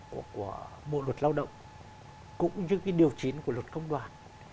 của bộ luật lao động cũng như cái điều chín của luật công đoàn